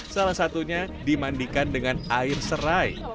salah satunya dimandikan dengan air serai